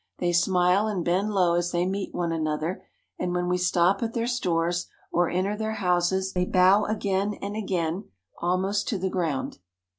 They smile and bend low as they meet one another, and when we stop at their stores or enter their houses, they bow again and again al most to the ground.